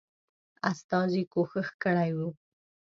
استازي کوښښ کړی وو.